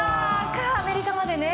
アメリカまでね。